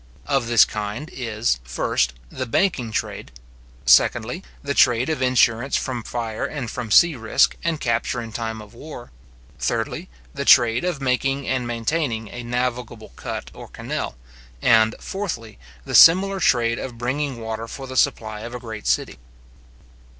Of this kind is, first, the banking trade; secondly, the trade of insurance from fire and from sea risk, and capture in time of war; thirdly, the trade of making and maintaining a navigable cut or canal; and, fourthly, the similar trade of bringing water for the supply of a great city.